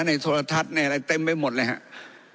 โทรทัศน์ในอะไรเต็มไปหมดเลยครับ